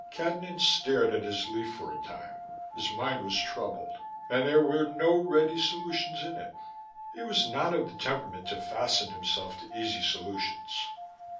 Cadnan stared at his leaf for a time. His mind was troubled, and there were no ready solutions in it. He was not of the temperament to fasten himself to easy solutions.